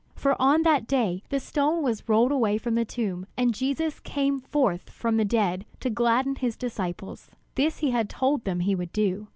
For on that day the stone was rolled away from the tomb and Jesus came forth from the dead to gladden his disciples. This he had told them he would do.